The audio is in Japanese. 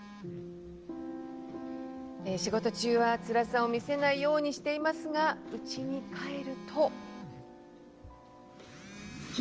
仕事中はつらさを見せないようにしていますが、うちに帰ると。